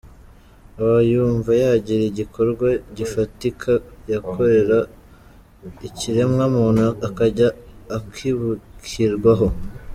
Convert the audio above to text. Aba yumva yagira igikorwa gifatika yakorera ikiremwamuntu akajya akibukirwaho.